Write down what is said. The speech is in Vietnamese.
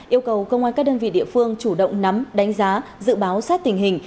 yêu cầu công an các đơn vị địa phương chủ động nắm đánh giá dự báo sát tình hình